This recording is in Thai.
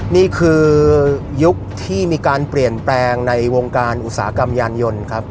นี่คือยุคที่มีการเปลี่ยนแปลงในวงการอุตสาหกรรมยานยนต์ครับ